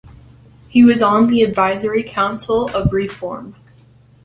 He was on the Advisory Council of Reform.